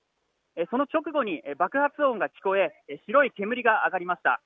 その直後に爆発音が聞こえ白い煙が上がりました。